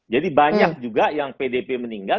jadi banyak juga yang pdp meninggal